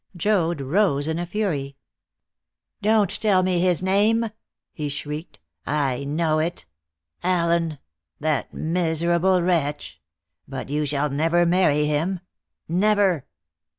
Joad rose in a fury. "Don't tell me his name!" he shrieked; "I know it. Allen that miserable wretch! But you shall never marry him never!"